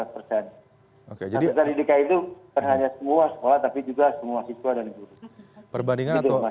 pertama di dki itu terlalu banyak semua sekolah tapi juga semua siswa dan guru